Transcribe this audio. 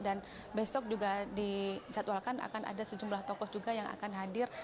dan besok juga dijadwalkan akan ada sejumlah tokoh juga yang akan hadir